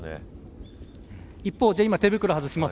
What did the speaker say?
一方、今、手袋を外します。